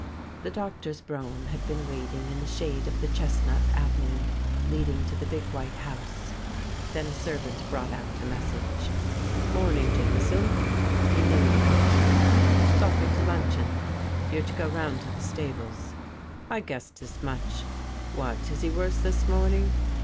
The doctor's brougham had been waiting in the shade of the chestnut avenue leading to the big white house. Then a sei'vant bi'ought out a message. 'Morning, Jameson' — he knew the coachman. ' Stopping to lun cheon — you're to go round to the stables.' ' I guessed as much. WTiat — is he worse this morning